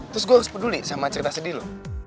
terus gue harus peduli sama cerita sedih lu